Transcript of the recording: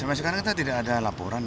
sampai sekarang kita tidak ada laporan